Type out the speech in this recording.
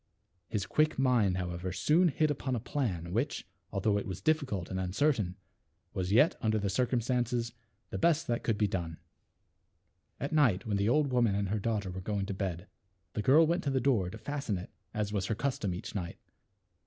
His quick mind, however, soon hit upon a plan THE WITCH'S TREASURES. 247 which, although it was difficult and uncertain, was yet, under the circumstances, the best that could be done. At night, when the old woman and her daughter were going to bed, the girl went to the door to fasten it as was her custom each night.